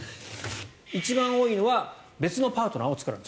一番多いのは別のパートナーを作らない。